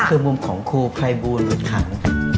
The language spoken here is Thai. คือมุมของครูภัยบูลหลุดขัง